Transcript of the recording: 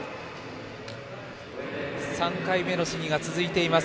３回目の試技が続いています。